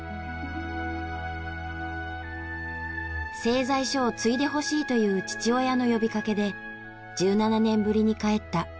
製材所を継いでほしいという父親の呼びかけで１７年ぶりに帰った故郷。